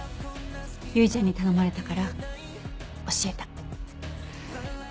唯ちゃんに頼まれたから教えた。